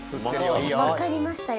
分かりましたよ。